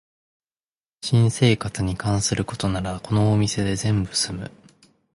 新生活に関することならこのお店で全部すむ